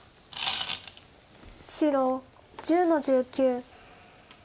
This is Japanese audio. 白１０の十九。